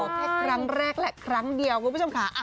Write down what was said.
แค่ครั้งแรกและครั้งเดียวคุณผู้ชมค่ะ